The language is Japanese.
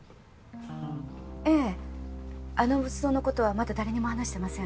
ええあの仏像の事はまだ誰にも話してません。